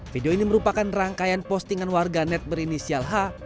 video ini merupakan rangkaian postingan warga net berinisial h